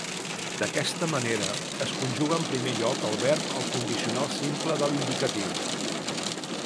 D'aquesta manera, es conjuga en primer lloc el verb al Condicional Simple de l'Indicatiu.